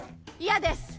嫌です！